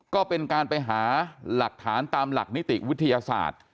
ก็เป็นการไปหาหลักฐานตามหลักนิติวิทยาศาสตร์